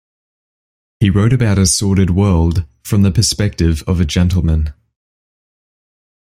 He wrote about a sordid world from the perspective of a gentleman.